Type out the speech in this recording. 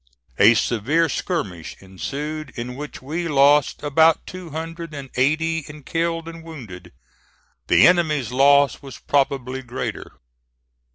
A severe skirmish ensued, in which we lost about two hundred and eighty in killed and wounded. The enemy's loss was probably greater.